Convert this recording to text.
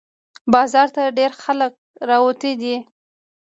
بازار ته ډېر خلق راوتي دي